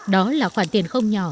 đó là khoản tiền không nhỏ